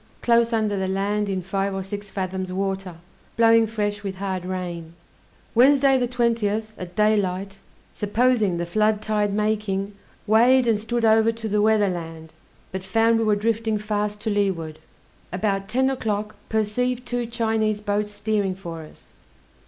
close under the land in five or six fathoms water, blowing fresh, with hard rain. Wednesday, the 20th, at daylight, supposing the flood tide making, weighed and stood over to the weather land, but found we were drifting fast to leeward. About ten o'clock perceived two Chinese boats steering for us.